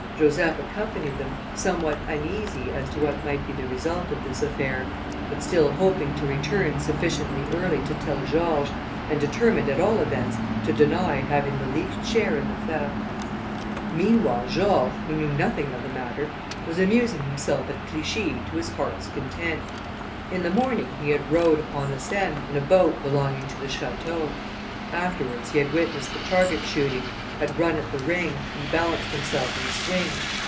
Joseph accompanied them, somewhat uneasy as to what might be the result of this affair, but still hoping to return sufficiently early to tell George, and determined, at all events, to deny having the least share in the theft. Meanwhile, George, who knew nothing of the matter, was amusing himself at Clichi to his heart's content. In the morning, he had rowed upon the Seine, in a boat belonging to the château. Afterwards, he had witnessed the target shooting, had run at the ring, and balanced himself in the swing.